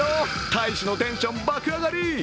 大使のテンション爆上がり。